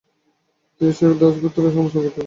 তিনি স্বীয় দাওস গোত্রের সাথেই অবস্থান করতে থাকেন।